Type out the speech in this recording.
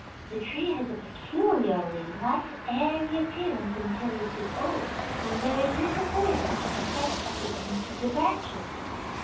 The tree has a peculiarly light, airy appearance until it is old, when there is little foliage except at the ends of the branches.